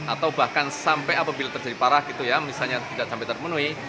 atau bahkan sampai apabila terjadi parah gitu ya misalnya tidak sampai terpenuhi